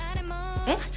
えっ？